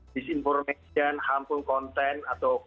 disinformation hampir konten atau